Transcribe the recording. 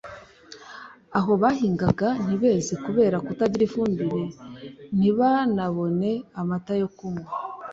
aho bahingaga ntibeze kubera kutagira ifumbire ntibanabone amata yo kunywa